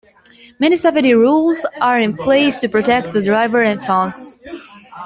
Many safety rules are in place to protect the driver and fans.